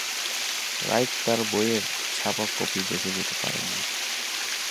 Right তার বইয়ের ছাপা কপি দেখে যেতে পারেননি।